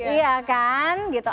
iya kan gitu